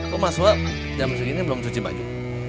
kok maksuah jam segini belum cuci baju